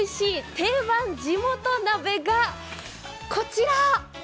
定番地元鍋」がこちら。